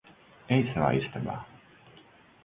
Ej savā istabā.